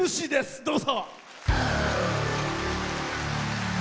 どうぞ。